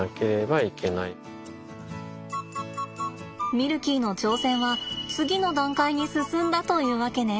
ミルキーの挑戦は次の段階に進んだというわけね。